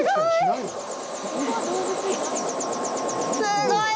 すごい！